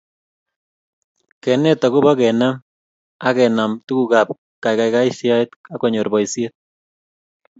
Kenet agobo kenem ak kenam tugukab kagaigaigaet akonyor boisiet